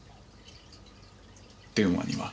電話には？